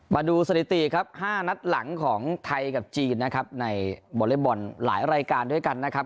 มาดูสถิติครับ๕นัดหลังของไทยกับจีนนะครับในวอเล็กบอลหลายรายการด้วยกันนะครับ